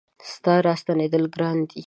ستا را ستنېدل ګران دي